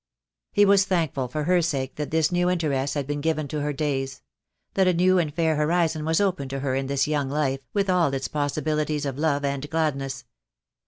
He was thankful for her sake that this new interest had been given to her days — that a new and fair horizon was open to her in this young life, with all its possibilities of love and gladness.